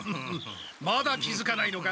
まだ気づかないのか？